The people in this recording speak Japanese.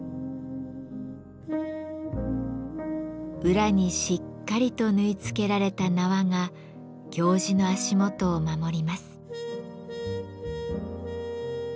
裏にしっかりと縫い付けられた縄が行司の足元を守ります。